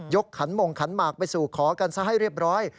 ขันหม่งขันหมากไปสู่ขอกันซะให้เรียบร้อย